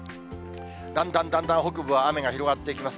だんだんだんだん北部は雨が広がっていきます。